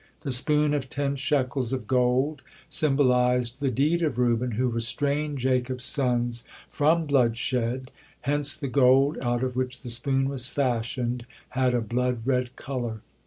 The spoon of ten shekels of gold symbolized the deed of Reuben, who restrained Jacob's sons from bloodshed, hence the gold out of which the spoon was fashioned had a blood red color.